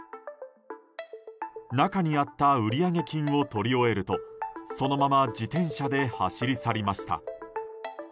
中にあった売上金をとり終えるとそのまま自転車で走り去りました。